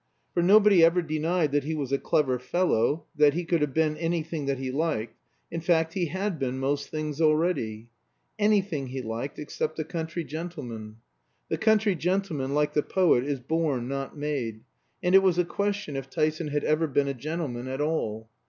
For nobody ever denied that he was a clever fellow, that he could have been anything that he liked; in fact, he had been most things already. Anything he liked except a country gentleman. The country gentleman, like the poet, is born, not made; and it was a question if Tyson had ever been a gentleman at all.